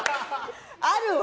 あるわ！